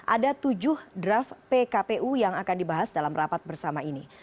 ada tujuh draft pkpu yang akan dibahas dalam rapat bersama ini